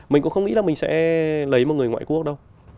mình cũng không nghĩ là mình sẽ lấy một người ngoại quốc đâu